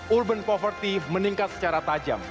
urban property meningkat secara tajam